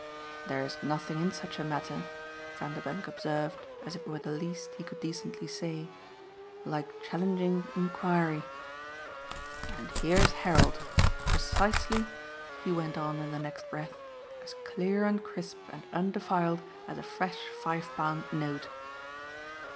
"There's nothing in such a matter," Vanderbank observed as if it were the least he could decently say, "like challenging enquiry; and here's Harold, precisely," he went on in the next breath, "as clear and crisp and undefiled as a fresh five pound note."